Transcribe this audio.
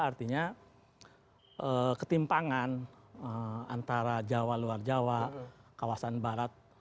artinya ketimpangan antara jawa luar jawa kawasan barat